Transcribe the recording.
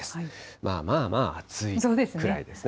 まあまあまあ暑いぐらいですね。